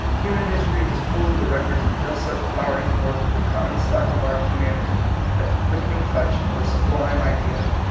Human history is full of the rec ords of just such flowering forth of the common stock of our humanity at the quickening touch of a sublime idea.